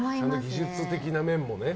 技術的な面もね。